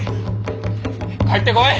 帰ってこい！